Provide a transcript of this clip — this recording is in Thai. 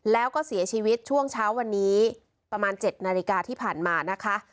แล้วก็เสียชีวิตช่วงเช้าวันนี้ประมาณ๗นาฬิกาที่ผ่านมานะคะ